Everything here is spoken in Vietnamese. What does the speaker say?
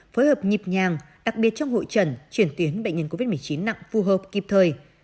phối hợp nhịp nhàng đặc biệt trong hội trận chuyển tuyến bệnh nhân covid một mươi chín nặng phù hợp kịp thời